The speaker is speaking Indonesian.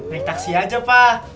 naik taksi aja mah